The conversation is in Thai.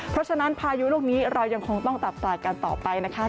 เพราะฉะนั้นพายุลูกนี้เรายังคงต้องตับตายกันต่อไปนะคะ